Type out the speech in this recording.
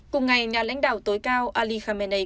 cùng ngày nhà lãnh đạo tối cao ali khamenei